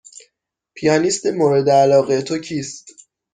پیانیست مورد علاقه تو کیست؟